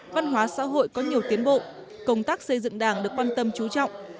văn hóa xã hội có nhiều tiến bộ công tác xây dựng đảng được quan tâm trú trọng